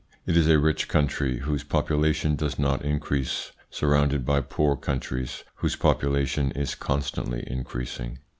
It is a rich country, whose population does not increase, surrounded by poor countries whose population is constantly increasing.